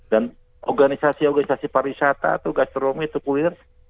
dan organisasi organisasi pariwisata atau gastronomi atau kuliner